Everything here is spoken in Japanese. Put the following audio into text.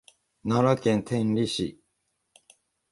奈良県天理市